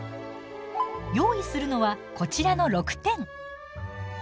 用意するのはこちらの６点。